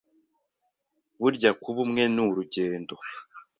Burya kuba umwe ni urugendo,